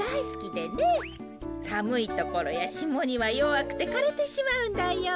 さむいところやしもにはよわくてかれてしまうんだよ。